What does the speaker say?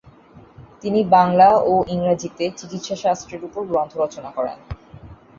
তিনি বাংলা ও ইংরাজীতে চিকিৎসাশাস্ত্রের উপর গ্রন্থ রচনা করেন।